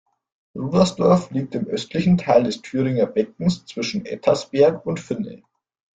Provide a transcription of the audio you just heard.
Rudersdorf liegt im östlichen Teil des Thüringer Beckens zwischen Ettersberg und Finne.